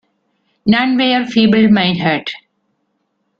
None were "feeble-minded".